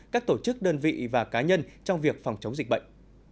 các tổ chức đơn vị và cá nhân trong việc phòng chống dịch bệnh